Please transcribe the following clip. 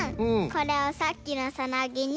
これをさっきのサナギに。